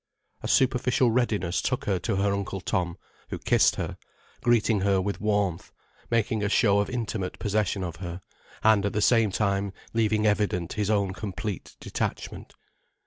A superficial readiness took her to her Uncle Tom, who kissed her, greeting her with warmth, making a show of intimate possession of her, and at the same time leaving evident his own complete detachment.